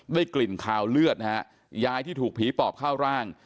กลิ่นคาวเลือดนะฮะยายที่ถูกผีปอบเข้าร่าง